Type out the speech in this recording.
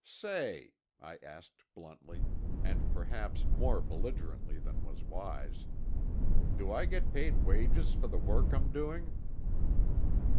"Say," I asked bluntly, and perhaps more belligerently than was wise, "do I get paid wages for the work I'm doing?"